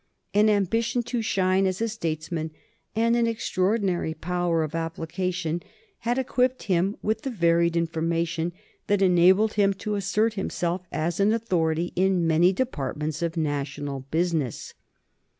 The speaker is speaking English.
An ambition to shine as a statesman and an extraordinary power of application had equipped him with the varied information that enabled him to assert himself as an authority in many departments of national business.